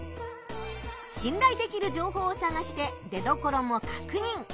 信頼できる情報を探して出どころもかくにん！